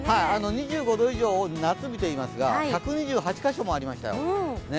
２５度以上を夏日といいますが１２８か所もありましたよ。